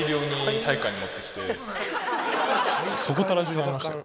そこたら中にありましたよ